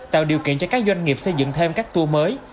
tạo điều kiện cho các doanh nghiệp xây dựng thêm các tour mới